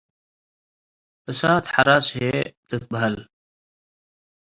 “እሳት ሐራስ” ህዬ ትትበሀል ።